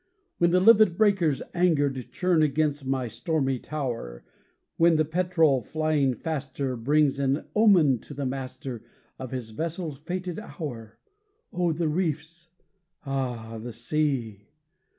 When the livid breakers angered Churn against my stormy tower; When the petrel flying faster Brings an omen to the master Of his vessel's fated hour Oh, the reefs! ah, the sea!